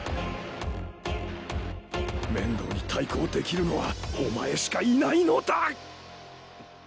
面堂に対抗できるのはお前しかいないのだ！